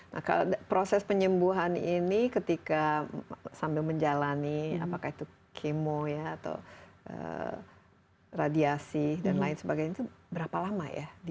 nah proses penyembuhan ini ketika sambil menjalani apakah itu kemo ya atau radiasi dan lain sebagainya itu berapa lama ya